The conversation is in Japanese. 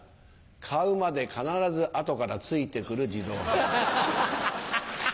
買うまで必ず後からついて来る自動販売機。